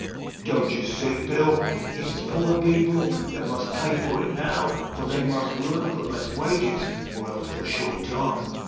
Jack. Don't you see, Bill, it is poor people that must pay for it now, for they must work for less wages, or else for short time.